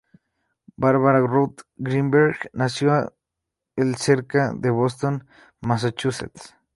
Barbara Ruth Greenberg nació el cerca de Boston, Massachusetts.